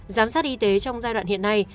giám sát y tế trong giai đoạn hiện nay